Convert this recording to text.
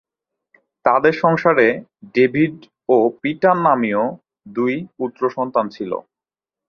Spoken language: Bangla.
তাদের সংসারে ডেভিড ও পিটার নামীয় দুই পুত্র সন্তান ছিল।